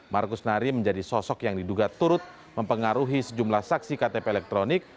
markus nari menjadi sosok yang diduga turut mempengaruhi sejumlah saksi ktp elektronik